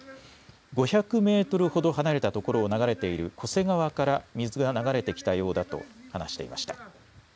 ５００ｍほど離れたところを流れている巨瀬川から水が流れてきたようだと話していました。